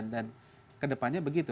dan kedepannya begitu